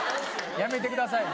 やめてください。